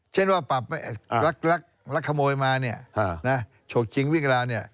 เช่นว่าปรับลักขโมยมาเนี่ยฉกชิงวิ่งราเนี่ย